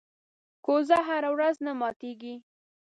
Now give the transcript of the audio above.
کوزه هره ورځ نه ماتېږي.